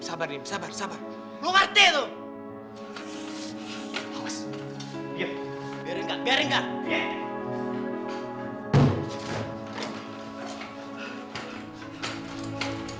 sabar diam sabar sabar lu ngerti tuh